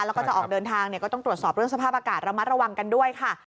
แล้วก็จะออกเดินทางก็ต้องตรวจสอบเรื่องสภาพอากาศระมัดระวังกันด้วยค่ะ